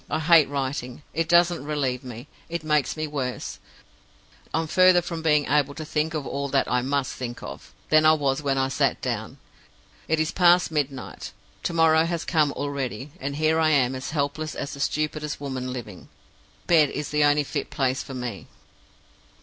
I hate writing. It doesn't relieve me it makes me worse. I'm further from being able to think of all that I must think of than I was when I sat down. It is past midnight. To morrow has come already; and here I am as helpless as the stupidest woman living! Bed is the only fit place for me.